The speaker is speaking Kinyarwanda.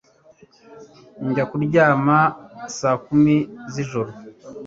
Njya kuryama saa kumi zijoro